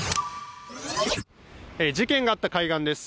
事件があった海岸です。